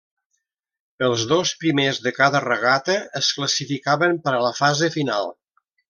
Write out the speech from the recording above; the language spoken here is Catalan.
Els dos primers de cada regata es classificaven per a la fase final.